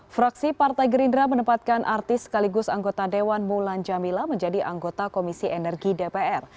fraksi partai gerindra menempatkan artis sekaligus anggota dewan mulan jamila menjadi anggota komisi energi dpr